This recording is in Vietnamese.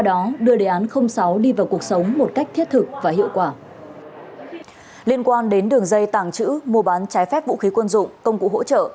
đường dây tàng trữ mua bán trái phép vũ khí quân dụng công cụ hỗ trợ